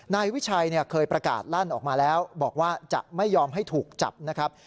นายวิชัยเคยประกาศลั่นออกมาแล้วบอกว่าจะไม่ยอมให้ถูกจับนะครับ